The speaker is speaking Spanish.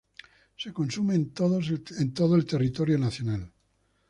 Se consume en todos el territorio nacional.